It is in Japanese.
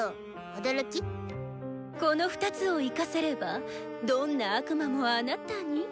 この２つを生かせればどんな悪魔もあなたに。